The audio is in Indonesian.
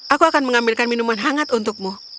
aku akan mengambilkan minuman hangat untukmu